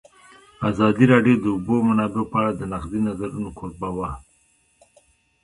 ازادي راډیو د د اوبو منابع په اړه د نقدي نظرونو کوربه وه.